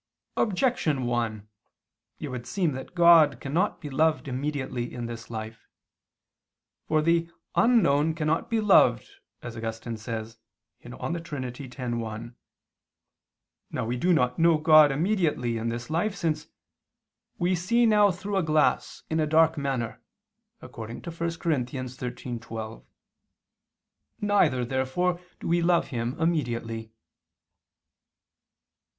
Objection 1: It would seem that God cannot be loved immediately in this life. For the "unknown cannot be loved" as Augustine says (De Trin. x, 1). Now we do not know God immediately in this life, since "we see now through a glass, in a dark manner" (1 Cor. 13:12). Neither, therefore, do we love Him immediately.